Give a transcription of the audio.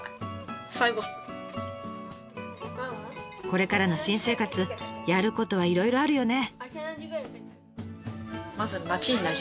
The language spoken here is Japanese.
これからの新生活やることはいろいろあるよね。